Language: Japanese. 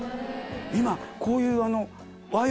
今こういう。